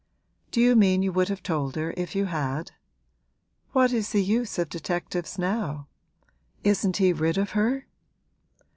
'Do you mean you would have told her if you had? What is the use of detectives now? Isn't he rid of her?'